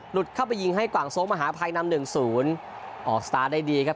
เข้าไปยิงให้กว่างโซ้งมหาภัยนำ๑๐ออกสตาร์ทได้ดีครับ